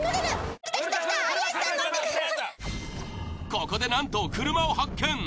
ここでなんと車を発見！